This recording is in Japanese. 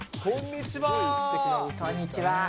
こんにちは。